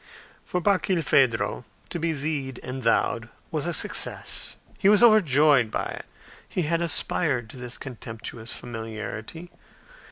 For Barkilphedro to be "thee'd" and "thou'd" was a success; he was overjoyed by it. He had aspired to this contemptuous familiarity.